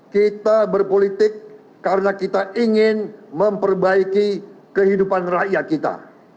kita berpolitik karena kita ingin memperbaiki kehidupan rakyat kita